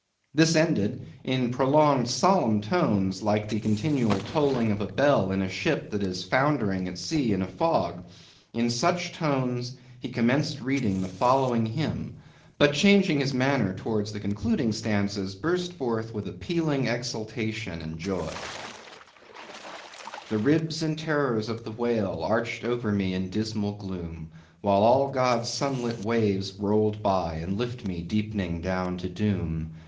This ended, in prolonged solemn tones, like the continual tolling of a bell in a ship that is foundering at sea in a fog—in such tones he commenced reading the following hymn; but changing his manner towards the concluding stanzas, burst forth with a pealing exultation and joy— "The ribs and terrors in the whale, Arched over me a dismal gloom, While all God's sun lit waves rolled by, And lift me deepening down to doom.